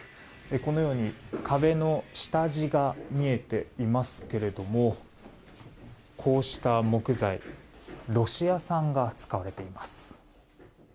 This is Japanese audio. このように、壁の下地が見えていますけれどもこうした木材ロシア産が使われています。